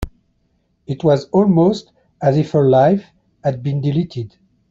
It was almost as if her life had been deleted.